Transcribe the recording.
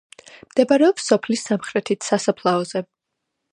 მდებარეობს სოფლის სამხრეთით, სასაფლაოზე.